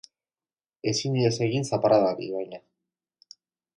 Ezin ihes egin zaparradari, baina.